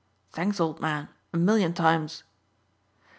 "Thanks, old man, a million times."